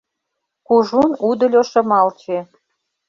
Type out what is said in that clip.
Кужун удыльо Шымалче.